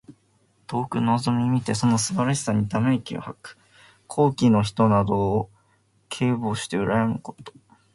遠くのぞみ見てその素晴らしさにため息を吐く。高貴の人などを敬慕してうらやむこと。